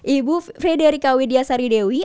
ibu frederika widya saridewi